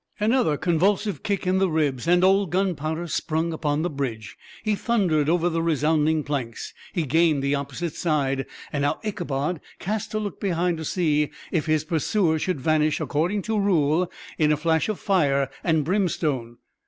Another convulsive kick in the ribs, and old Gunpowder sprung upon the bridge; he thundered over the resounding planks; he gained the opposite side, and now Ichabod cast a look behind to see if his pursuer should vanish, according to rule, in a flash of fire and brimstone.